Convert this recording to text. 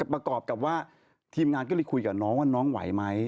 ประกอบกับว่าทีมงานก็เลยคุยกับน้องว่าน้องไหวไหม